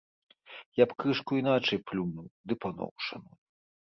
Я б крышку іначай плюнуў, ды паноў шаную.